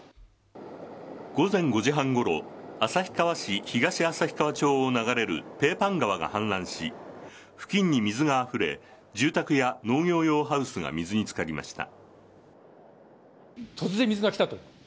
午前５時半ごろ旭川市東旭川町を流れるペーパン川が氾濫し付近に水があふれ住宅や農業用ハウスが水に漬かりました。